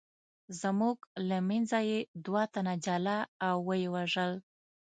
زموږ له منځه یې دوه تنه جلا او ویې وژل.